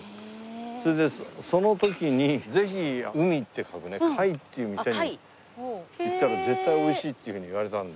それでその時にぜひ「海」って書くね「海」っていう店に行ったら絶対美味しいっていうふうに言われたんで。